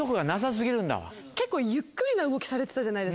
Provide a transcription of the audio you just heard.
結構ゆっくりな動きされてたじゃないですか。